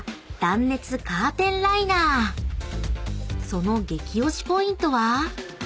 ［その激オシポイントは？］